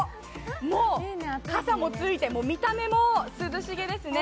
もう傘もついて見た目も涼しげですね。